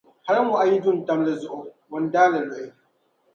hali ŋɔɣu yi du n-tam di zuɣu, o ni daai li luhi!